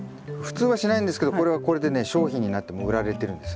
普通はしないんですけどこれはこれでね商品になってもう売られてるんですよ。